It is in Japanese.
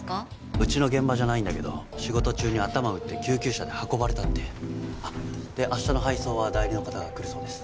うちの現場じゃないんだけど仕事中に頭打って救急車で運ばれたってで明日の配送は代理の方が来るそうです